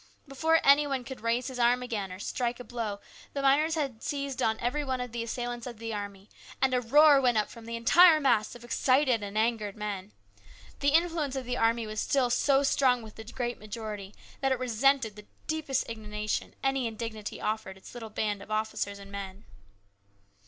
Before any one could raise his arm again or strike a blow, the miners had seized on every one of the assailants of the army, and a roar went up from the entire mass of excited and angered men. The influence of the army was still so strong with the great majority that it resented with the deepest indignation any indignity offered its little band of officers and men.